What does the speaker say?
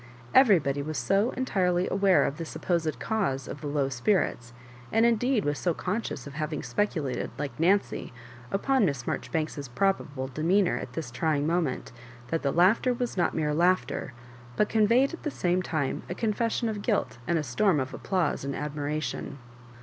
Everybody was so entirely aware of the suppos ed cause of the low spirits, and indeed was so conscious of having speculated, like Nancy, upon Miss Marjoribanks's probable demeanour at this trying moment, that the laughter was not mere laughter, but conveyed, at the same time, a oon fessionV guilt and a storm of applause and ad miration.